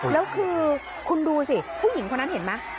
แล้วคุณดูสิผู้หญิงพวกนั้นนูเห็นไหม